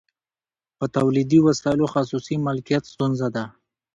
په تولیدي وسایلو خصوصي مالکیت ستونزه ده